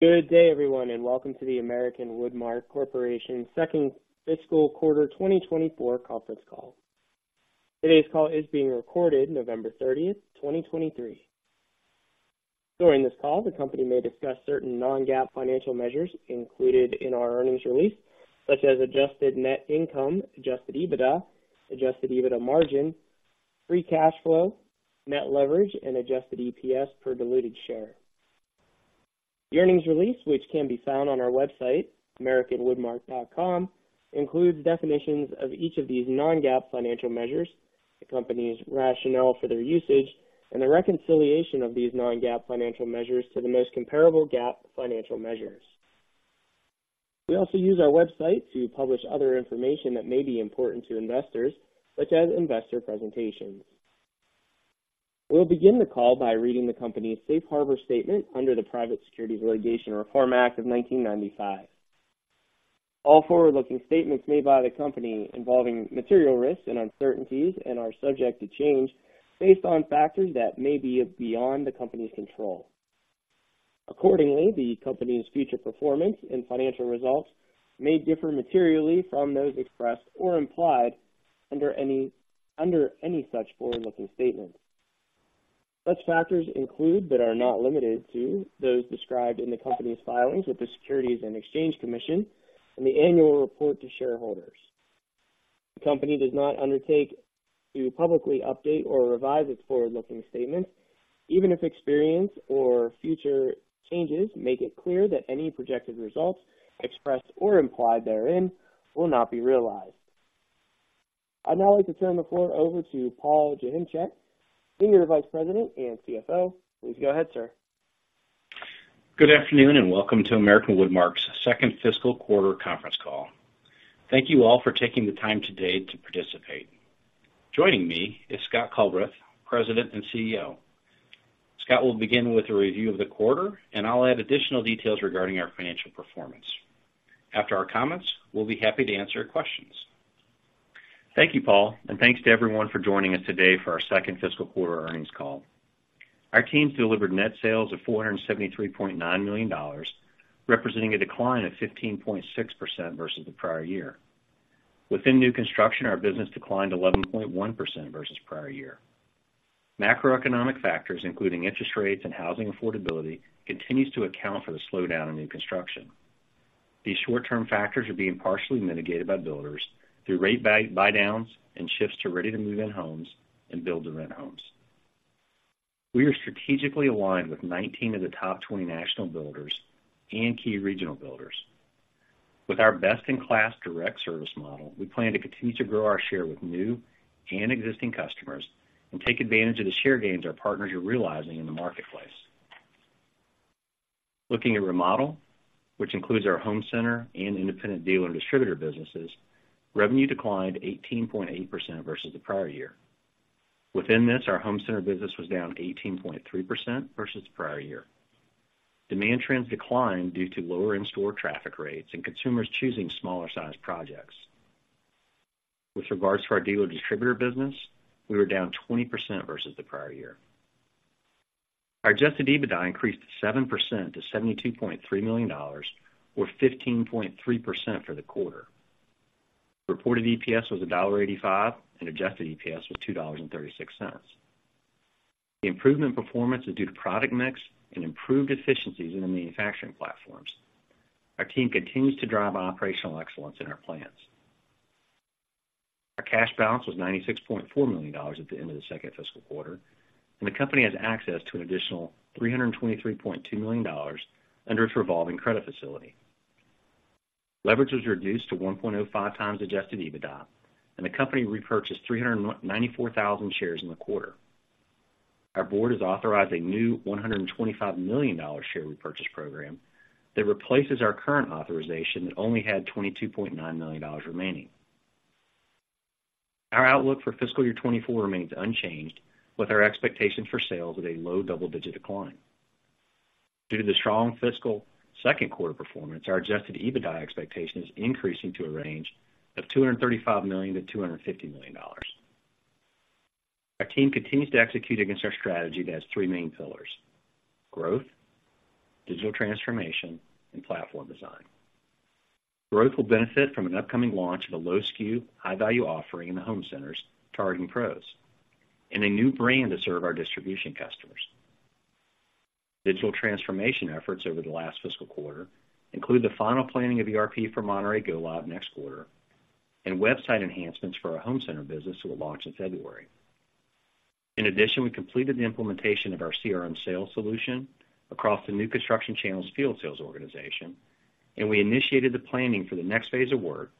Good day, everyone, and welcome to the American Woodmark Corporation Second Fiscal Quarter 2024 Conference Call. Today's call is being recorded November 30, 2023. During this call, the company may discuss certain non-GAAP financial measures included in our earnings release, such as adjusted net income, adjusted EBITDA, adjusted EBITDA margin, free cash flow, net leverage, and adjusted EPS per diluted share. The earnings release, which can be found on our website, americanwoodmark.com, includes definitions of each of these non-GAAP financial measures, the company's rationale for their usage, and the reconciliation of these non-GAAP financial measures to the most comparable GAAP financial measures. We also use our website to publish other information that may be important to investors, such as investor presentations. We'll begin the call by reading the company's Safe Harbor statement under the Private Securities Litigation Reform Act of 1995. All forward-looking statements made by the company involving material risks and uncertainties and are subject to change based on factors that may be beyond the company's control. Accordingly, the company's future performance and financial results may differ materially from those expressed or implied under any, under any such forward-looking statements. Such factors include, but are not limited to, those described in the company's filings with the Securities and Exchange Commission and the annual report to shareholders. The company does not undertake to publicly update or revise its forward-looking statements, even if experience or future changes make it clear that any projected results expressed or implied therein will not be realized. I'd now like to turn the floor over to Paul Joachimczyk, Senior Vice President and CFO. Please go ahead, sir. Good afternoon, and welcome to American Woodmark's second fiscal quarter conference call. Thank you all for taking the time today to participate. Joining me is Scott Culbreth, President and CEO. Scott will begin with a review of the quarter, and I'll add additional details regarding our financial performance. After our comments, we'll be happy to answer your questions. Thank you, Paul, and thanks to everyone for joining us today for our second fiscal quarter earnings call. Our team delivered net sales of $473.9 million, representing a decline of 15.6% versus the prior year. Within new construction, our business declined 11.1% versus prior year. Macroeconomic factors, including interest rates and housing affordability, continues to account for the slowdown in new construction. These short-term factors are being partially mitigated by builders through rate buy, buy downs and shifts to ready-to-move-in homes and build-to-rent homes. We are strategically aligned with 19 of the top 20 national builders and key regional builders. With our best-in-class direct service model, we plan to continue to grow our share with new and existing customers and take advantage of the share gains our partners are realizing in the marketplace. Looking at remodel, which includes our home center and independent dealer distributor businesses, revenue declined 18.8% versus the prior year. Within this, our home center business was down 18.3% versus the prior year. Demand trends declined due to lower in-store traffic rates and consumers choosing smaller-sized projects. With regards to our dealer distributor business, we were down 20% versus the prior year. Our Adjusted EBITDA increased 7% to $72.3 million, or 15.3% for the quarter. Reported EPS was $1.85, and Adjusted EPS was $2.36. The improvement in performance is due to product mix and improved efficiencies in the manufacturing platforms. Our team continues to drive operational excellence in our plants. Our cash balance was $96.4 million at the end of the second fiscal quarter, and the company has access to an additional $323.2 million under its revolving credit facility. Leverage was reduced to 1.05x Adjusted EBITDA, and the company repurchased 394,000 shares in the quarter. Our board has authorized a new $125 million share repurchase program that replaces our current authorization that only had $22.9 million remaining. Our outlook for fiscal year 2024 remains unchanged, with our expectations for sales at a low double-digit decline. Due to the strong fiscal second quarter performance, our Adjusted EBITDA expectation is increasing to a range of $235 million-$250 million. Our team continues to execute against our strategy that has three main pillars: growth, digital transformation, and platform design. Growth will benefit from an upcoming launch of a low-SKU, high-value offering in the home centers, targeting pros and a new brand to serve our distribution customers. Digital transformation efforts over the last fiscal quarter include the final planning of ERP for Monterrey go-live next quarter, and website enhancements for our home center business will launch in February. In addition, we completed the implementation of our CRM sales solution across the new construction channels field sales organization, and we initiated the planning for the next phase of work,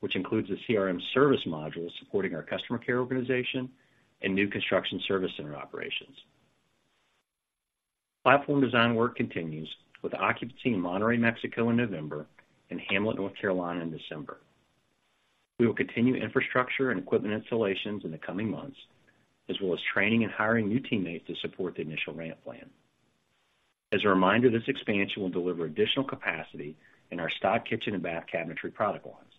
which includes a CRM service module supporting our customer care organization and new construction service center operations. Platform design work continues with occupancy in Monterrey, Mexico, in November and Hamlet, North Carolina, in December. We will continue infrastructure and equipment installations in the coming months, as well as training and hiring new teammates to support the initial ramp plan. As a reminder, this expansion will deliver additional capacity in our stock kitchen and bath cabinetry product lines....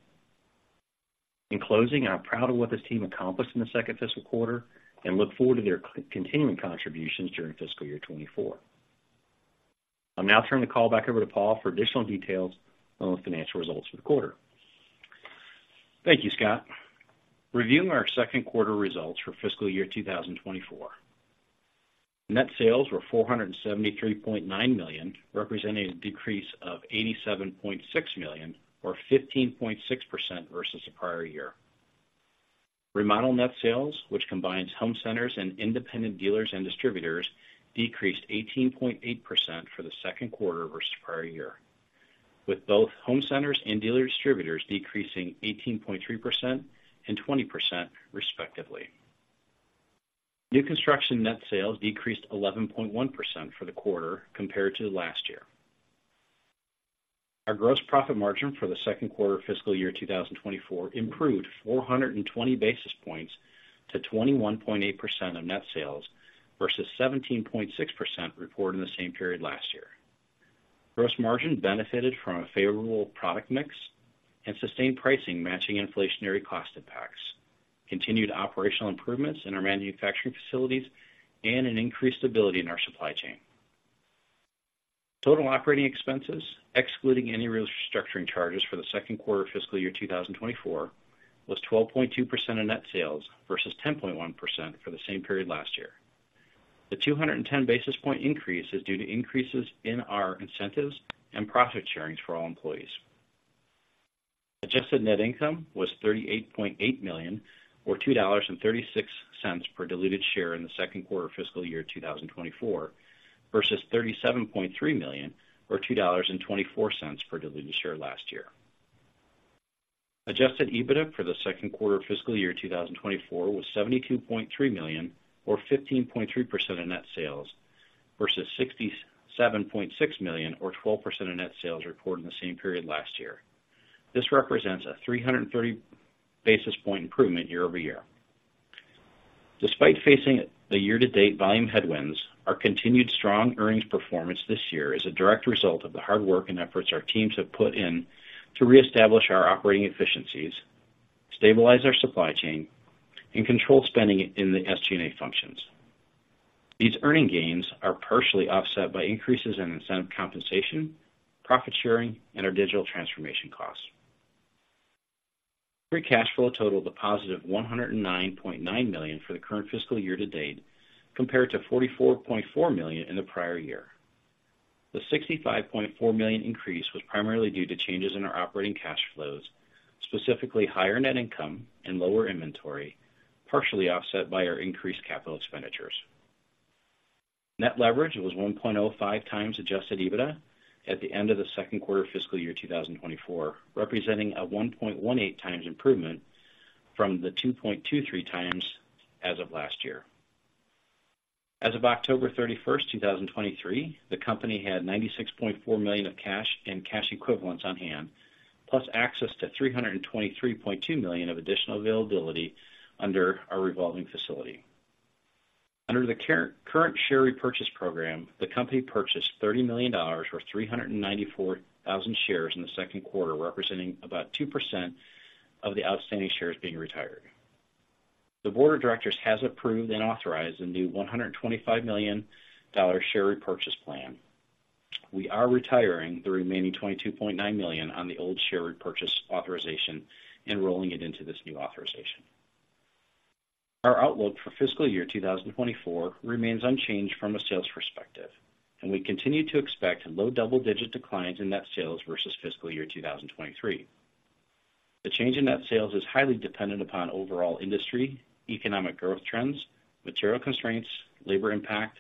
In closing, I'm proud of what this team accomplished in the second fiscal quarter and look forward to their continuing contributions during fiscal year 2024. I'll now turn the call back over to Paul for additional details on the financial results for the quarter. Thank you, Scott. Reviewing our second quarter results for fiscal year 2024. Net sales were $473.9 million, representing a decrease of $87.6 million, or 15.6% versus the prior year. Remodel net sales, which combines home centers and independent dealers and distributors, decreased 18.8% for the second quarter versus the prior year, with both home centers and dealer distributors decreasing 18.3% and 20% respectively. New construction net sales decreased 11.1% for the quarter compared to last year. Our gross profit margin for the second quarter of fiscal year 2024 improved 420 basis points to 21.8% of net sales versus 17.6% reported in the same period last year. Gross margin benefited from a favorable product mix and sustained pricing, matching inflationary cost impacts, continued operational improvements in our manufacturing facilities, and an increased stability in our supply chain. Total operating expenses, excluding any restructuring charges for the second quarter of fiscal year 2024, was 12.2% of net sales versus 10.1% for the same period last year. The 210 basis point increase is due to increases in our incentives and profit sharings for all employees. Adjusted net income was $38.8 million, or $2.36 per diluted share in the second quarter of fiscal year 2024, versus $37.3 million, or $2.24 per diluted share last year. Adjusted EBITDA for the second quarter of fiscal year 2024 was $72.3 million, or 15.3% of net sales, versus $67.6 million or 12% of net sales reported in the same period last year. This represents a 330 basis point improvement year-over-year. Despite facing the year-to-date volume headwinds, our continued strong earnings performance this year is a direct result of the hard work and efforts our teams have put in to reestablish our operating efficiencies, stabilize our supply chain, and control spending in the SG&A functions. These earning gains are partially offset by increases in incentive compensation, profit sharing, and our digital transformation costs. Free cash flow totaled a positive $109.9 million for the current fiscal year to date, compared to $44.4 million in the prior year. The $65.4 million increase was primarily due to changes in our operating cash flows, specifically higher net income and lower inventory, partially offset by our increased capital expenditures. Net leverage was 1.05 times Adjusted EBITDA at the end of the second quarter of fiscal year 2024, representing a 1.18 times improvement from the 2.23 times as of last year. As of October 31, 2023, the company had $96.4 million of cash and cash equivalents on hand, plus access to $323.2 million of additional availability under our revolving facility. Under the current share repurchase program, the company purchased $30 million, or 394,000 shares in the second quarter, representing about 2% of the outstanding shares being retired. The board of directors has approved and authorized a new $125 million share repurchase plan. We are retiring the remaining $22.9 million on the old share repurchase authorization and rolling it into this new authorization. Our outlook for fiscal year 2024 remains unchanged from a sales perspective, and we continue to expect low double-digit declines in net sales versus fiscal year 2023. The change in net sales is highly dependent upon overall industry, economic growth trends, material constraints, labor impact,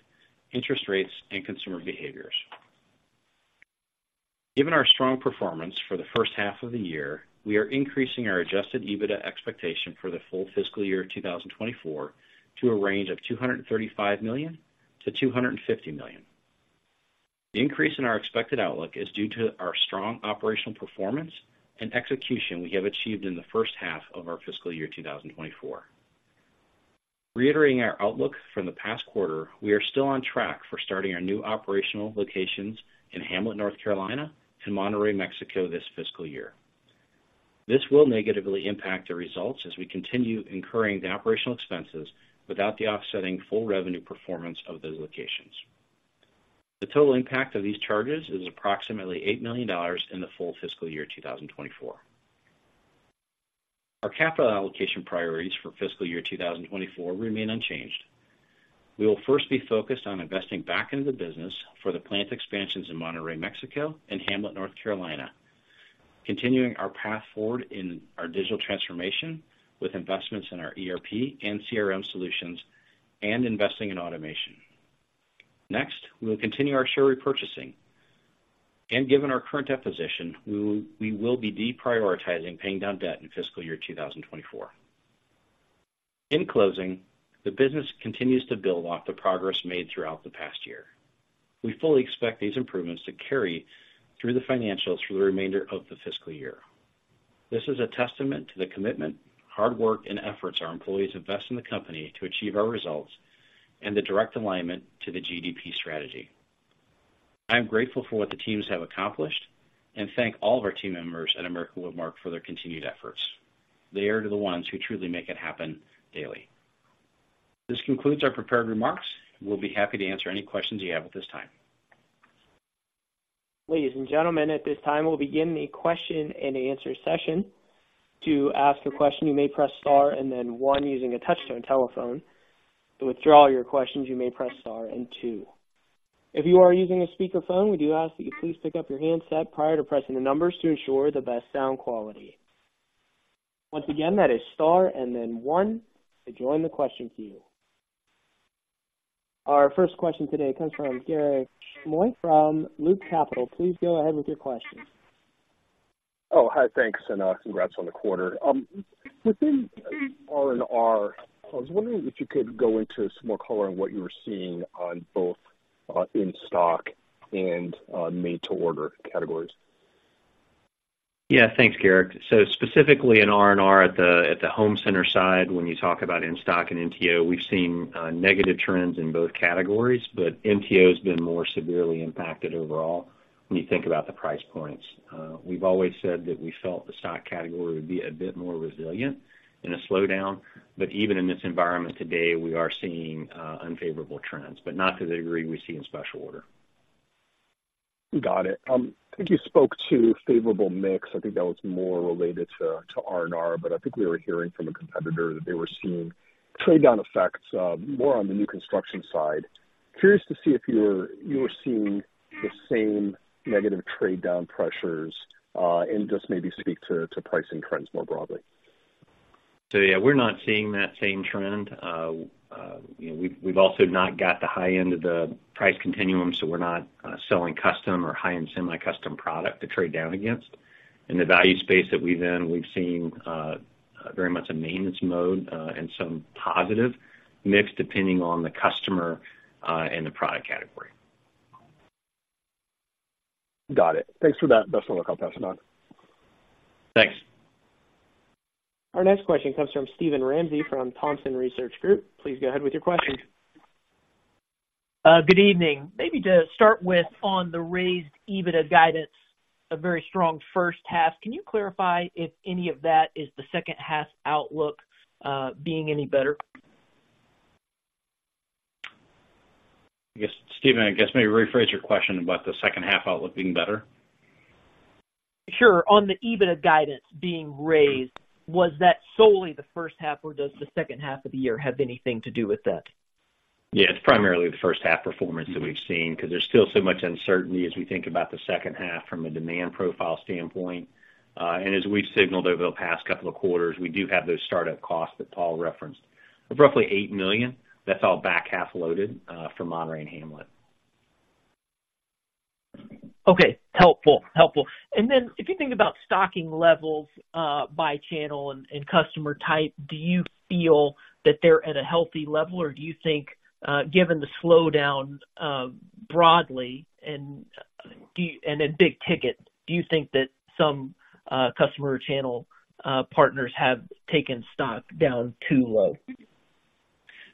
interest rates, and consumer behaviors. Given our strong performance for the first half of the year, we are increasing our Adjusted EBITDA expectation for the full fiscal year 2024 to a range of $235 million-$250 million. The increase in our expected outlook is due to our strong operational performance and execution we have achieved in the first half of our fiscal year 2024. Reiterating our outlook from the past quarter, we are still on track for starting our new operational locations in Hamlet, North Carolina, and Monterrey, Mexico, this fiscal year. This will negatively impact the results as we continue incurring the operational expenses without the offsetting full revenue performance of those locations. The total impact of these charges is approximately $8 million in the full fiscal year 2024. Our capital allocation priorities for fiscal year 2024 remain unchanged. We will first be focused on investing back into the business for the plant expansions in Monterrey, Mexico, and Hamlet, North Carolina, continuing our path forward in our digital transformation with investments in our ERP and CRM solutions and investing in automation. Next, we will continue our share repurchasing, and given our current debt position, we will, we will be deprioritizing paying down debt in fiscal year 2024. In closing, the business continues to build off the progress made throughout the past year. We fully expect these improvements to carry through the financials for the remainder of the fiscal year. This is a testament to the commitment, hard work, and efforts our employees invest in the company to achieve our results and the direct alignment to the GDP strategy. I am grateful for what the teams have accomplished and thank all of our team members at American Woodmark for their continued efforts. They are the ones who truly make it happen daily. This concludes our prepared remarks. We'll be happy to answer any questions you have at this time. Ladies and gentlemen, at this time, we'll begin the question-and-answer session. To ask a question, you may press star and then one using a touchtone telephone. To withdraw your questions, you may press star and two. If you are using a speakerphone, we do ask that you please pick up your handset prior to pressing the numbers to ensure the best sound quality. Once again, that is star and then one to join the question queue. Our first question today comes from Garik Shmois from Loop Capital. Please go ahead with your question. Oh, hi, thanks, and congrats on the quarter. Within R&R, I was wondering if you could go into some more color on what you were seeing on both in-stock and made-to-order categories. Yeah, thanks, Garik. So specifically in R&R, at the home center side, when you talk about in-stock and MTO, we've seen negative trends in both categories, but MTO has been more severely impacted overall when you think about the price points. We've always said that we felt the stock category would be a bit more resilient in a slowdown, but even in this environment today, we are seeing unfavorable trends, but not to the degree we see in special order. Got it. I think you spoke to favorable mix. I think that was more related to R&R, but I think we were hearing from a competitor that they were seeing trade down effects more on the new construction side. Curious to see if you're seeing the same negative trade down pressures, and just maybe speak to pricing trends more broadly. So yeah, we're not seeing that same trend. You know, we've also not got the high end of the price continuum, so we're not selling custom or high-end semi-custom product to trade down against. In the value space that we've been in, we've seen very much a maintenance mode, and some positive mix, depending on the customer, and the product category. Got it. Thanks for that. Best of luck. I'll pass it on. Thanks. Our next question comes from Steven Ramsey from Thompson Research Group. Please go ahead with your question. Good evening. Maybe to start with on the raised EBITDA guidance, a very strong first half. Can you clarify if any of that is the second half outlook, being any better? I guess, Steven, I guess maybe rephrase your question about the second half outlook being better. Sure. On the EBITDA guidance being raised, was that solely the first half, or does the second half of the year have anything to do with that? Yeah, it's primarily the first half performance that we've seen, because there's still so much uncertainty as we think about the second half from a demand profile standpoint. And as we've signaled over the past couple of quarters, we do have those startup costs that Paul referenced, of roughly $8 million. That's all back half loaded, from Monterrey and Hamlet. Okay, helpful. Helpful. And then, if you think about stocking levels by channel and customer type, do you feel that they're at a healthy level, or do you think, given the slowdown broadly, and in big ticket, do you think that some customer channel partners have taken stock down too low?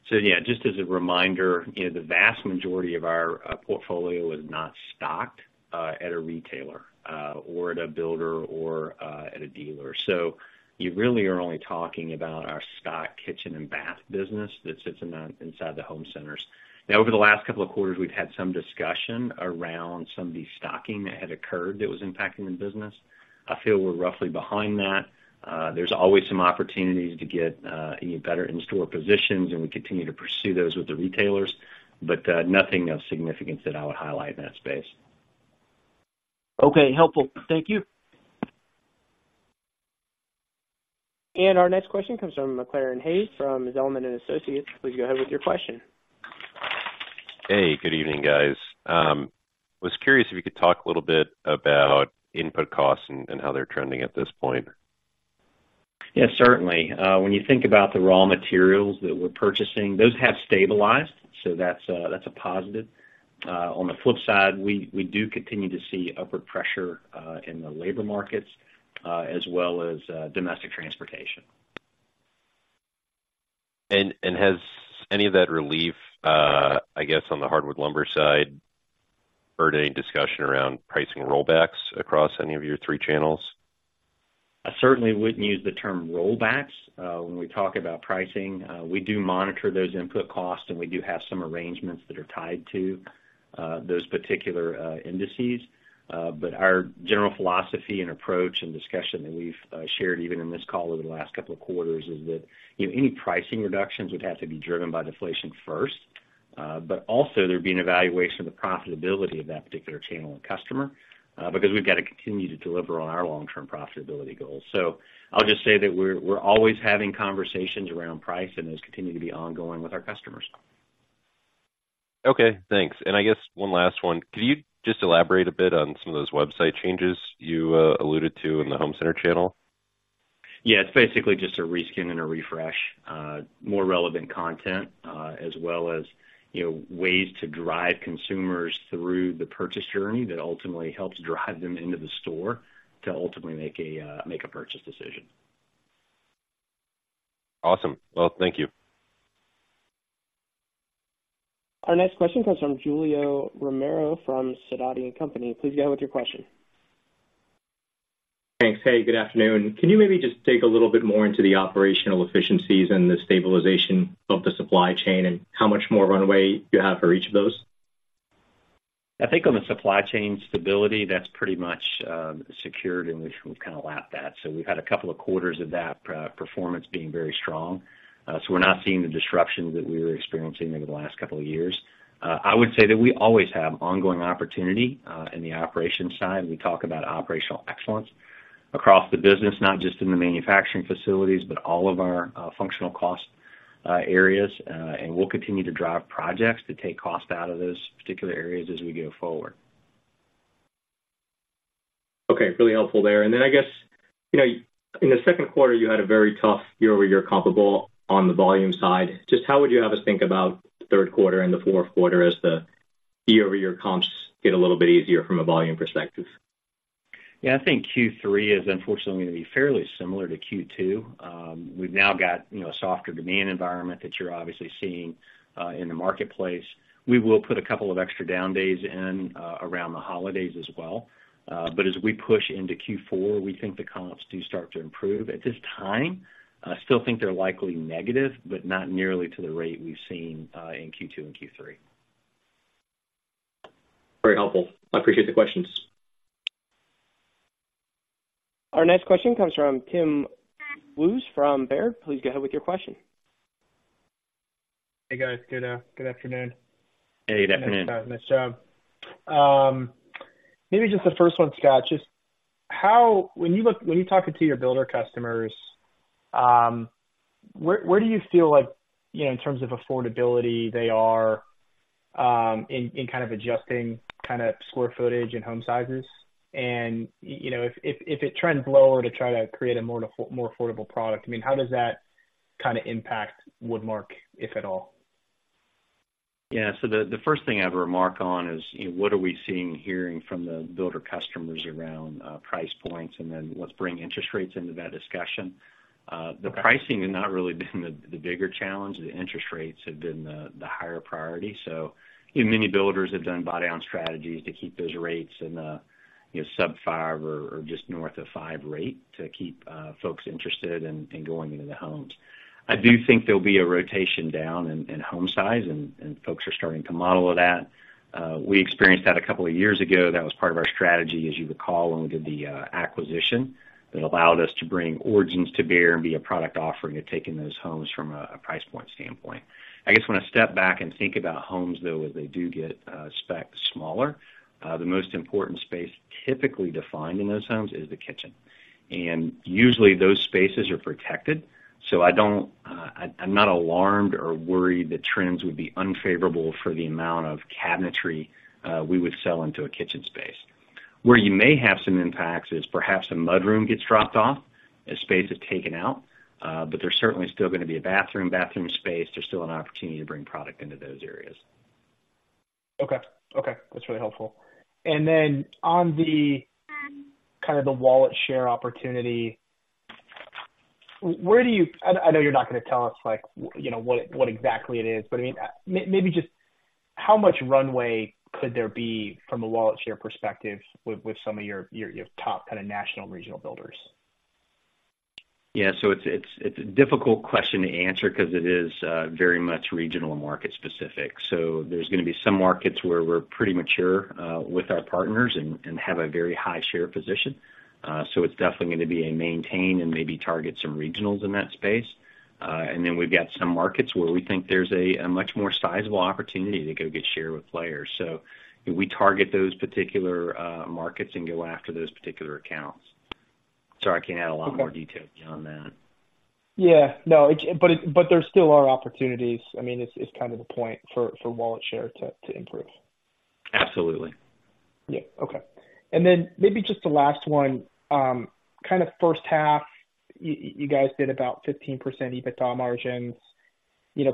So yeah, just as a reminder, you know, the vast majority of our portfolio is not stocked at a retailer or at a builder or at a dealer. So you really are only talking about our stock kitchen and bath business that sits inside the home centers. Now, over the last couple of quarters, we've had some discussion around some of the stocking that had occurred that was impacting the business. I feel we're roughly behind that. There's always some opportunities to get, you know, better in-store positions, and we continue to pursue those with the retailers, but nothing of significance that I would highlight in that space. Okay, helpful. Thank you. Our next question comes from McClaran Hayes from Zelman & Associates. Please go ahead with your question. Hey, good evening, guys. Was curious if you could talk a little bit about input costs and how they're trending at this point. Yeah, certainly. When you think about the raw materials that we're purchasing, those have stabilized, so that's a positive. On the flip side, we do continue to see upward pressure in the labor markets as well as domestic transportation. And has any of that relief, I guess, on the hardwood lumber side, heard any discussion around pricing rollbacks across any of your three channels? I certainly wouldn't use the term rollbacks when we talk about pricing. We do monitor those input costs, and we do have some arrangements that are tied to those particular indices. But our general philosophy and approach and discussion that we've shared, even in this call over the last couple of quarters, is that, you know, any pricing reductions would have to be driven by deflation first, but also there'd be an evaluation of the profitability of that particular channel and customer because we've got to continue to deliver on our long-term profitability goals. So I'll just say that we're, we're always having conversations around price, and those continue to be ongoing with our customers. Okay, thanks. I guess one last one: Could you just elaborate a bit on some of those website changes you alluded to in the home center channel? Yeah, it's basically just a re-skin and a refresh. More relevant content, as well as, you know, ways to drive consumers through the purchase journey that ultimately helps drive them into the store to ultimately make a purchase decision. Awesome. Well, thank you. Our next question comes from Julio Romero from Sidoti & Company. Please go ahead with your question. Thanks. Hey, good afternoon. Can you maybe just dig a little bit more into the operational efficiencies and the stabilization of the supply chain, and how much more runway you have for each of those? I think on the supply chain stability, that's pretty much secured, and we've kind of lapped that. So we've had a couple of quarters of that performance being very strong. So we're not seeing the disruptions that we were experiencing over the last couple of years. I would say that we always have ongoing opportunity in the operations side. We talk about operational excellence across the business, not just in the manufacturing facilities, but all of our functional cost areas. And we'll continue to drive projects to take costs out of those particular areas as we go forward. Okay, really helpful there. And then I guess, you know, in the second quarter, you had a very tough year-over-year comparable on the volume side. Just how would you have us think about the third quarter and the fourth quarter as the year-over-year comps get a little bit easier from a volume perspective? Yeah, I think Q3 is unfortunately going to be fairly similar to Q2. We've now got, you know, a softer demand environment that you're obviously seeing in the marketplace. We will put a couple of extra down days in around the holidays as well. But as we push into Q4, we think the comps do start to improve. At this time, I still think they're likely negative, but not nearly to the rate we've seen in Q2 and Q3. Very helpful. I appreciate the questions. Our next question comes from Tim Wojs from Baird. Please go ahead with your question. Hey, guys. Good, good afternoon. Hey, good afternoon. Nice job. Maybe just the first one, Scott. When you're talking to your builder customers, where do you feel like, you know, in terms of affordability, they are in kind of adjusting kind of square footage and home sizes? You know, if it trends lower to try to create a more affordable product, I mean, how does that kind of impact Woodmark, if at all? Yeah. So the first thing I would remark on is, you know, what are we seeing and hearing from the builder customers around price points, and then let's bring interest rates into that discussion. The pricing has not really been the bigger challenge. The interest rates have been the higher priority. So, you know, many builders have done buy down strategies to keep those rates in the, you know, sub five or just north of five rate to keep folks interested in going into the homes. I do think there'll be a rotation down in home size, and folks are starting to model that. We experienced that a couple of years ago. That was part of our strategy, as you recall, when we did the acquisition. That allowed us to bring Origins to bear and be a product offering and taking those homes from a price point standpoint. I guess when I step back and think about homes, though, as they do get spec'd smaller, the most important space typically defined in those homes is the kitchen. And usually those spaces are protected, so I don't, I'm not alarmed or worried that trends would be unfavorable for the amount of cabinetry we would sell into a kitchen space. Where you may have some impacts is perhaps a mudroom gets dropped off, a space is taken out, but there's certainly still going to be a bathroom, bathroom space. There's still an opportunity to bring product into those areas. Okay. Okay, that's really helpful. And then on the kind of wallet share opportunity, where do you I know you're not going to tell us, like, you know, what exactly it is, but I mean, maybe just how much runway could there be from a wallet share perspective with some of your top kind of national, regional builders? Yeah, so it's a difficult question to answer because it is very much regional and market specific. So there's going to be some markets where we're pretty mature with our partners and have a very high share position. So it's definitely going to be a maintain and maybe target some regionals in that space. And then we've got some markets where we think there's a much more sizable opportunity to go get share with players. So we target those particular markets and go after those particular accounts. Sorry, I can't add a lot more detail beyond that. Yeah. No, but there still are opportunities, I mean, it's kind of the point for wallet share to improve. Absolutely. Yeah. Okay. And then maybe just the last one, kind of first half, you guys did about 15% EBITDA margins. You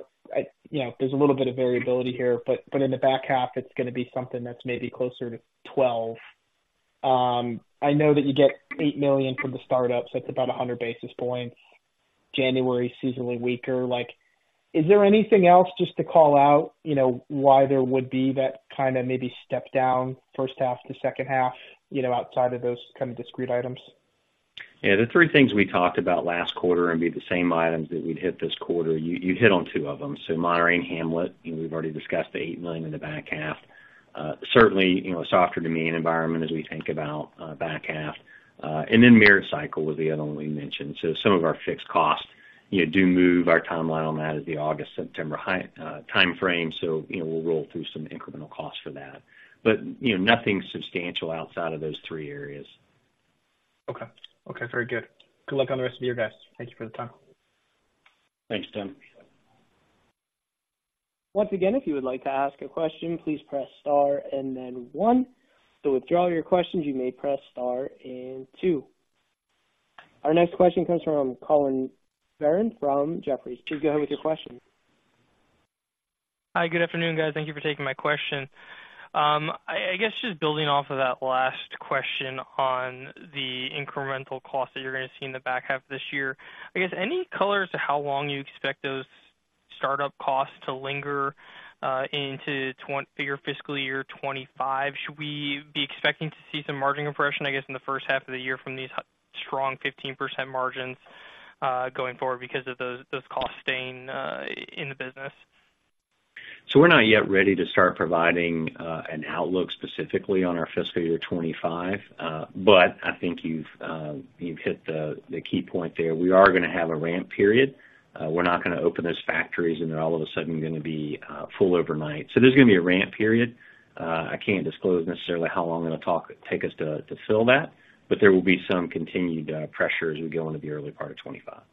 know, there's a little bit of variability here, but, but in the back half, it's going to be something that's maybe closer to 12. I know that you get $8 million from the startup, so that's about 100 basis points. January, seasonally weaker. Like, is there anything else just to call out, you know, why there would be that kind of maybe step down first half to second half, you know, outside of those kind of discrete items? Yeah. The three things we talked about last quarter would be the same items that we'd hit this quarter. You hit on two of them. So Monterrey and Hamlet, and we've already discussed the $8 million in the back half. Certainly, you know, a softer demand environment as we think about back half, and then merit cycle was the other one we mentioned. So some of our fixed costs, you know, do move. Our timeline on that is the August, September high timeframe. So, you know, we'll roll through some incremental costs for that. But, you know, nothing substantial outside of those three areas. Okay. Okay, very good. Good luck on the rest of your guys. Thank you for the time. Thanks, Tim. Once again, if you would like to ask a question, please press star and then one. To withdraw your questions, you may press star and two. Our next question comes from Collin Verron from Jefferies. Please go ahead with your question. Hi, good afternoon, guys. Thank you for taking my question. I guess just building off of that last question on the incremental cost that you're gonna see in the back half of this year, I guess, any color as to how long you expect those startup costs to linger into your fiscal year 2025? Should we be expecting to see some margin compression, I guess, in the first half of the year from these strong 15% margins going forward because of those, those costs staying in the business? So we're not yet ready to start providing an outlook specifically on our fiscal year 2025. But I think you've hit the key point there. We are gonna have a ramp period. We're not gonna open those factories, and they're all of a sudden gonna be full overnight. So there's gonna be a ramp period. I can't disclose necessarily how long it'll take us to fill that, but there will be some continued pressure as we go into the early part of 2025.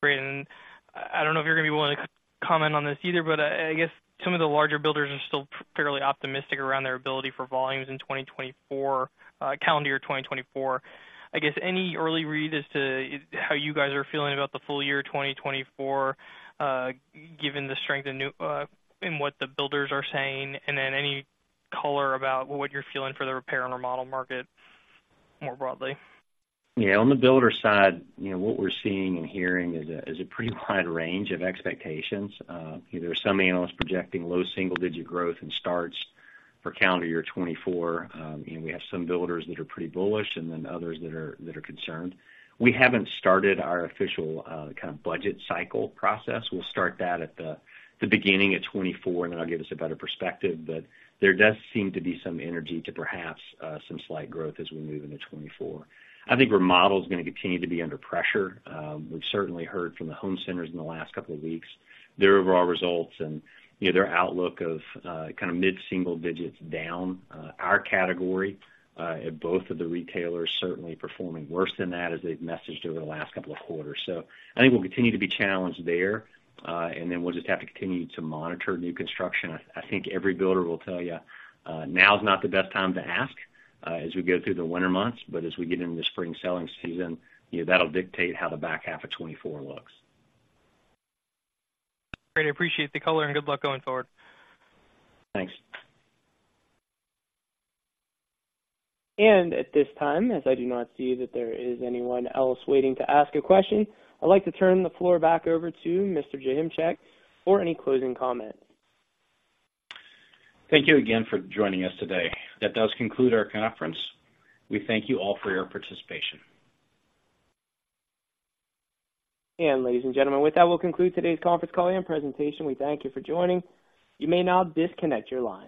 Great. And I don't know if you're gonna be willing to comment on this either, but, I guess some of the larger builders are still fairly optimistic around their ability for volumes in 2024, calendar year 2024. I guess, any early read as to how you guys are feeling about the full year 2024, given the strength in new, in what the builders are saying, and then any color about what you're feeling for the repair and remodel market more broadly? Yeah. On the builder side, you know, what we're seeing and hearing is a pretty wide range of expectations. There are some analysts projecting low single-digit growth in starts for calendar year 2024. And we have some builders that are pretty bullish and then others that are concerned. We haven't started our official kind of budget cycle process. We'll start that at the beginning of 2024, and that'll give us a better perspective. But there does seem to be some energy to perhaps some slight growth as we move into 2024. I think remodel is gonna continue to be under pressure. We've certainly heard from the home centers in the last couple of weeks, their overall results and, you know, their outlook of kind of mid-single digits down, our category at both of the retailers, certainly performing worse than that as they've messaged over the last couple of quarters. So I think we'll continue to be challenged there, and then we'll just have to continue to monitor new construction. I, I think every builder will tell you, now is not the best time to ask, as we go through the winter months, but as we get into the spring selling season, you know, that'll dictate how the back half of 2024 looks. Great, I appreciate the color, and good luck going forward. Thanks. At this time, as I do not see that there is anyone else waiting to ask a question, I'd like to turn the floor back over to Mr. Joachimczyk for any closing comments. Thank you again for joining us today. That does conclude our conference. We thank you all for your participation. Ladies and gentlemen, with that, we'll conclude today's conference call and presentation. We thank you for joining. You may now disconnect your lines.